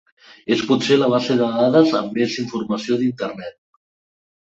És potser la base de dades amb més informació d'Internet.